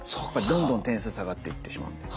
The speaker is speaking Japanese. どんどん点数下がっていってしまう。